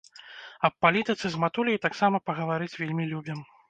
Аб палітыцы з матуляй таксама пагаварыць вельмі любім.